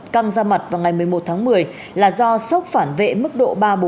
căng ra mặt vào ngày một mươi một tháng một mươi là do sốc phản vệ mức độ ba bốn